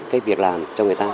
cái việc làm cho người ta